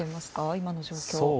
今の状況を。